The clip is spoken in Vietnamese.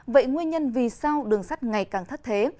vậy nguyên nhân vì sao đường sắt ngày càng thất thế